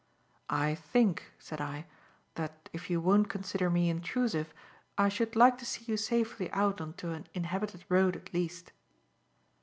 "I think," said I, "that if you won't consider me intrusive, I should like to see you safely out on to an inhabited road at least."